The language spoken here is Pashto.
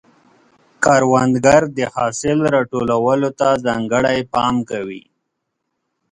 کروندګر د حاصل راټولولو ته ځانګړی پام کوي